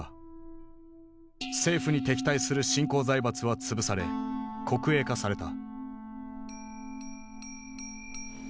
政府に敵対する新興財閥は潰され国営化された。